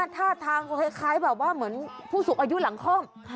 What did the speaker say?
ท่าทางคล้ายแบบว่าเหมือนผู้สูงอายุหลังคล่อม